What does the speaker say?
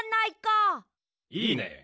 いいね！